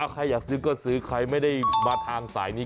ใครอยากซื้อก็ซื้อใครไม่ได้มาทางสายนี้